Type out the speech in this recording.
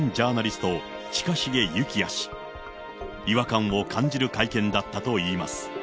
違和感を感じる会見だったといいます。